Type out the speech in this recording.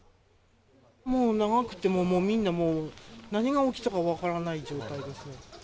もう長くて、みんな何が起きたか分からない状態ですよ。